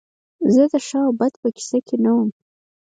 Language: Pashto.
زه د ښه او بد په کیسه کې نه وم